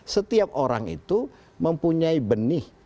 setiap orang itu mempunyai benih